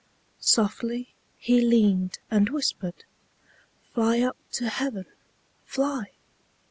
Softly He leaned and whispered: "Fly up to Heaven! Fly!"